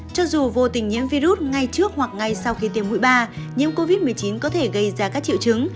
cho dù vô tình nhiễm virus ngay trước hoặc ngay sau khi tiêm mũi ba nhiễm covid một mươi chín có thể gây ra các triệu chứng